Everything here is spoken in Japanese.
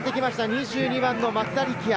２２番の松田力也。